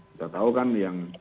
kita tahu kan yang